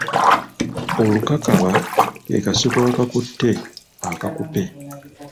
Olukakaba ke kasiko akakutte akakupe.